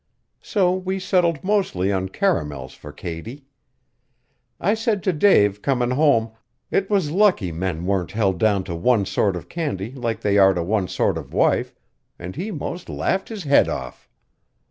So we settled mostly on caramels for Katie. I said to Dave comin' home it was lucky men warn't held down to one sort of candy like they are to one sort of wife, an' he most laughed his head off.